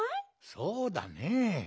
そうだねえ。